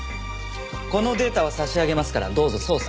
このデータを差し上げますからどうぞ捜査。